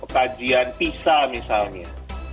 kajian pisa misalnya